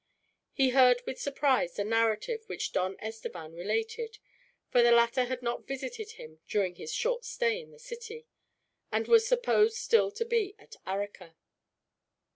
He heard with surprise the narrative which Don Estevan related; for the latter had not visited him during his short stay in the city, and was supposed still to be at Arica.